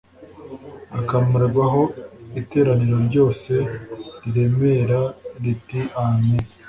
akamarwaho Iteraniro ryose riremera riti Amen